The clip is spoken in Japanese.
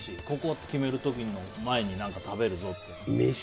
ここって決める時の前に食べるっていうの。